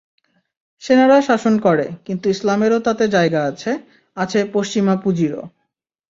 সেনারা শাসন করে, কিন্তু ইসলামেরও তাতে জায়গা আছে, আছে পশ্চিমা পুঁজিরও।